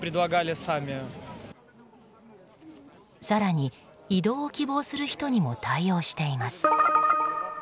更に移動を希望する人にも対応しています。